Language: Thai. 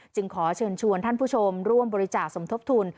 ขอเชิญชวนท่านผู้ชมร่วมบริจาคสมทบทุน